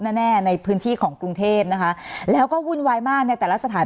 สนับสนุนโดยพี่โพเพี่ยวสะอาดใสไร้คราบ